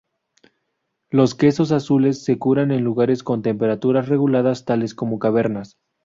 Los quesos azules se curan en lugares con temperaturas reguladas tales como cavernas.